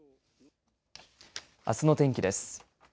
あすの天気です。